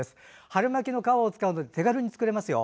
春巻きの皮を使うと手軽に作れますよ。